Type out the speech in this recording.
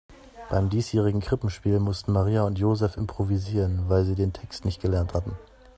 Beim diesjährigen Krippenspiel mussten Maria und Joseph improvisieren, weil sie den Text nicht gelernt hatten.